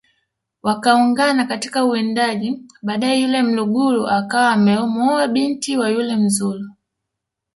Wakaungana katika uwindaji baadae yule mlugulu akawa amemuoa binti wa yule mzulu